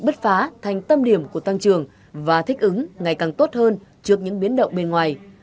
bứt phá thành tâm điểm của tăng trường và thích ứng ngày càng tốt hơn trước những biến động bên ngoài